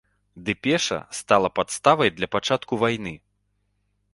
Дэпеша стала падставай для пачатку вайны.